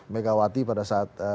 megawati pada saat